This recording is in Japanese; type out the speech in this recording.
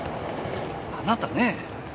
あなたねえ！